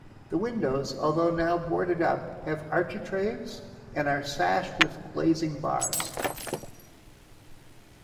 The windows, although now boarded up have architraves and are sashed with glazing bars.